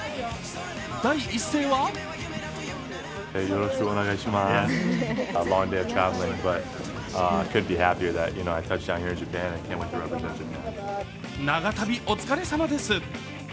第一声は長旅、お疲れさまです。